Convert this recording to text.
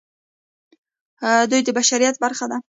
دوی د بشریت برخه دي.